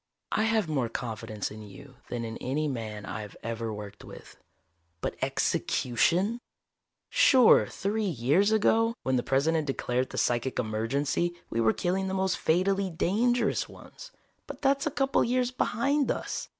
"I have more confidence in you than in any man I've ever worked with. But execution! Sure, three years ago, when the President declared the psychic emergency, we were killing the most fatally dangerous ones. But that's a couple years behind us.